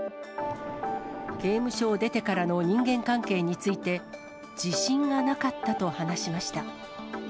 刑務所を出てからの人間関係について、自信がなかったと話しました。